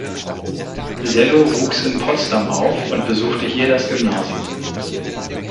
Sello wuchs in Potsdam auf und besuchte hier das Gymnasium.